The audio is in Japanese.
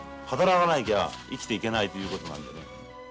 働かなきゃ生きていけないということなんでね。